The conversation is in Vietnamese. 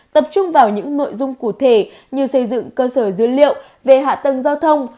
tập trung vào những nội dung cụ thể như xây dựng cơ sở dữ liệu về hạ tầng giao thông